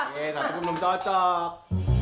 aku belum cocok